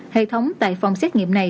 hệ thống tại phòng xét nghiệm này